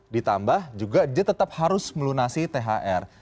ditambah juga dia tetap harus melunasi thr